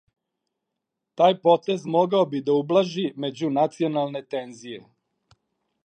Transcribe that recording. Тај потез могао би да ублажи међунационалне тензије.